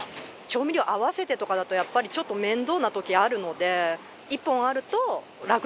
調味料合わせてとかだとやっぱりちょっと面倒な時あるので。